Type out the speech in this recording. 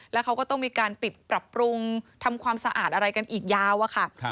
แล้วเขาก็ต้องมีการปิดปรับปรุงทำความสะอาดอะไรกันอีกยาวอะค่ะ